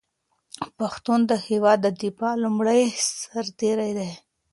پښتون د هېواد د دفاع لومړی سرتېری دی.